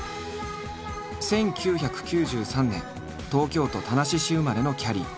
１９９３年東京都田無市生まれのきゃりー。